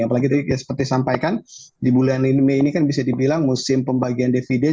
apalagi tadi seperti sampaikan di bulan mei ini kan bisa dibilang musim pembagian dividen